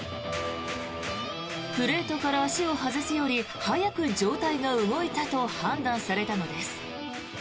プレートから足を外すより早く上体が動いたと判断されたのです。